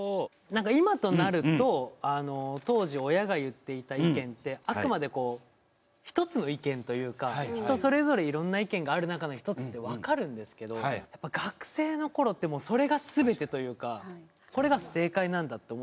今となると当時親が言っていた意見ってあくまで一つの意見というか人それぞれいろんな意見がある中の一つって分かるんですけどやっぱ学生のころってもうそれがすべてというかそれが正解なんだって思っちゃう。